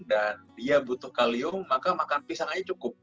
dan dia butuh kalium maka makan pisang aja cukup